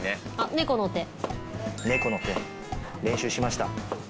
猫の手猫の手練習しました